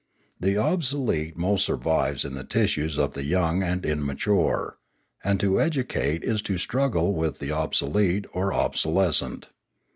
The obsolete most survives in the tissues of the young and immature; and to educate is to strug gle with the obsolete or obsolescent.